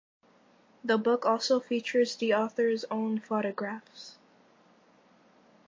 The book also features the author's own photographs.